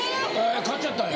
・買っちゃったんや。